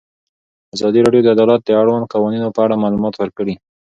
ازادي راډیو د عدالت د اړونده قوانینو په اړه معلومات ورکړي.